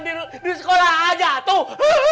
di sekolah aja tuh